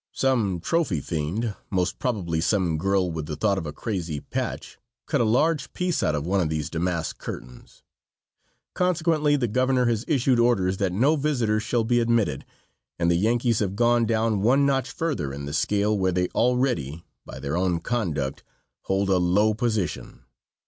Some trophy fiend, most probably some girl with the thought of a crazy patch, cut a large piece out of one of these damask curtains; consequently the governor has issued orders that no visitors shall be admitted, and the Yankees have gone down one notch further in the scale where they already, by their own conduct, hold a low position.